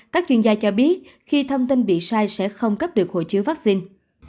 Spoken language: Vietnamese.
các chuyên gia cho biết khi thông tin bị sai sẽ không cấp được hộ chiếu vaccine